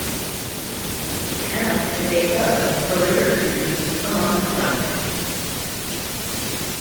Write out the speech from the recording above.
The town is a hub for river cruising along the Sarthe.